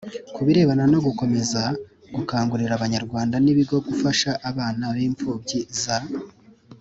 ku birebana no gukomeza gukangurira abanyarwanda n ibigo gufasha abana b imfubyi za